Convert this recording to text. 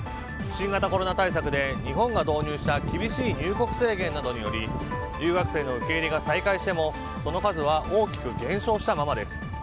新型コロナ対策で日本が導入した厳しい入国制限などにより留学生の受け入れが再開してもその数は大きく減少したままです。